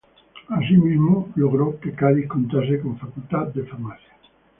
Asimismo, logró que Cádiz contase con Facultad de Farmacia.